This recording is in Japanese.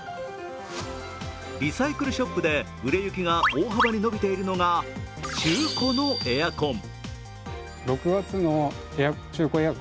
リサイクルショップで売れ行きが大幅に伸びているのが中古のエアコン。